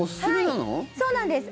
そうなんです。